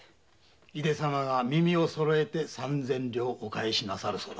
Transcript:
井出様が耳をそろえて三千両お返しなさるそうだ。